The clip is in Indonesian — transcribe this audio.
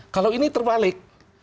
kalau ini terbalik